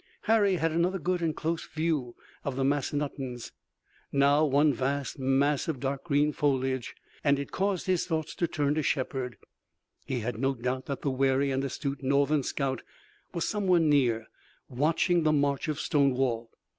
Harry had another good and close view of the Massanuttons, now one vast mass of dark green foliage, and it caused his thoughts to turn to Shepard. He had no doubt that the wary and astute Northern scout was somewhere near watching the march of Stonewall.